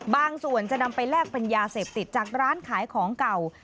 บางส่วนจะนำไปแลกเป็นยาเสพติดจากร้านขายของเก่า